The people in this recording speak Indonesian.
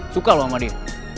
suka lu sama dia